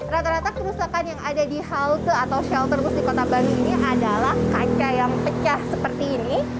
rata rata kerusakan yang ada di halte atau shelter bus di kota bandung ini adalah kaca yang pecah seperti ini